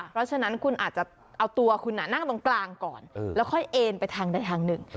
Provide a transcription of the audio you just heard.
เพราะฉะนั้นคุณอาจจะเอาตัวคุณนั่งตรงกลางก่อนแล้วค่อยเอ็นไปทางใดทางหนึ่ง